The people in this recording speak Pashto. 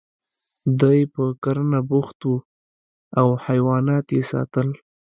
دی په کرنه بوخت و او حیوانات یې ساتل